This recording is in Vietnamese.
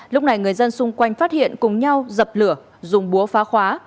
lúc này người dân xung quanh phát hiện cùng nhau dập lửa dùng búa phá khóa